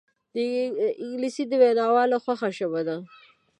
انګلیسي د ویناوالو خوښه ژبه ده